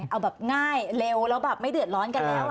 เอาแบบง่ายเร็วแล้วแบบไม่เดือดร้อนกันแล้ว